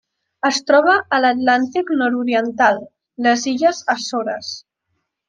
Es troba a l'Atlàntic nord-oriental: les illes Açores.